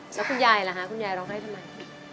แล้วคุณยายล่ะคะคุณยายร้องไห้ทำไม